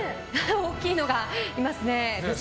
大きいのがいますね。